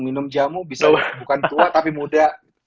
minum jamu bisa bukan tua tapi muda